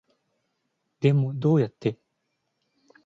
でもどうやって